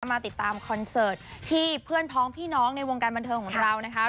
มาติดตามคอนเสิร์ตที่เพื่อนพ้องพี่น้องในวงการบันเทิงของเรานะคะ